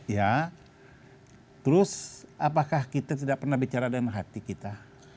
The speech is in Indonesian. ya terus apakah kita tidak pernah bicara dengan hati kita